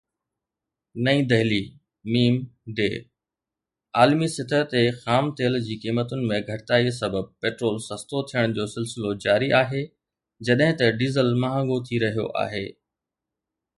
نئين دهلي (م ڊ) عالمي سطح تي خام تيل جي قيمتن ۾ گهٽتائي سبب پيٽرول سستو ٿيڻ جو سلسلو جاري آهي جڏهن ته ڊيزل مهانگو ٿي رهيو آهي.